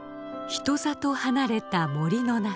人里離れた森の中。